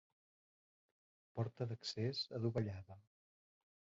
Porta d'accés adovellada.